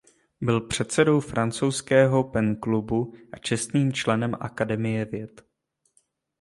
Byl předsedou francouzského Pen Clubu a čestným členem Akademie věd.